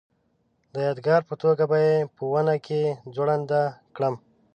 د یادګار په توګه به یې په ونه کې ځوړنده کړم.